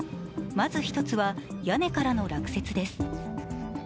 まず１つは、屋根からの落雪です。